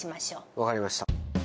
分かりました。